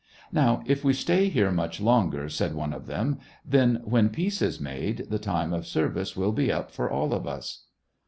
" Now, if we stay here much longer," said one of them, then, when peace is made, the time of service will be up for all of us."